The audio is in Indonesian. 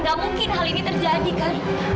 gak mungkin hal ini terjadi kan